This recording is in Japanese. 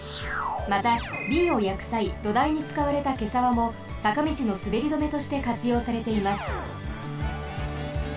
また瓶を焼くさい土台に使われたケサワもさかみちのすべりどめとしてかつようされています。